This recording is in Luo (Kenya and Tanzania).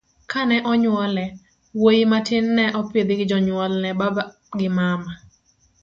kane onyuole, wuoyi matin ne opidh gi jonyuol ne baba gi mama